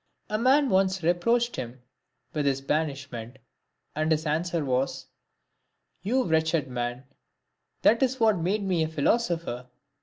A man once reproached him with his banishment, and his answer was, " You wretched man, that is what made me a philosopher."